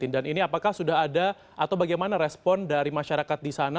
dan ini apakah sudah ada atau bagaimana respon dari masyarakat di sana